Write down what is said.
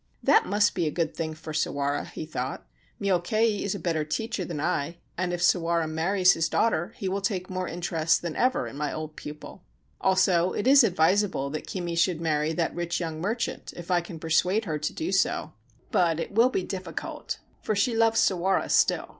That must be a good thing for Sawara, he thought. Myokei is a better teacher than I, and if Sawara marries his daughter he will take more interest than ever in my old pupil. Also, it is advisable that Kimi should marry that rich young merchant, if I can persuade her to do so ; but it will be difficult, for she loves Sawara still.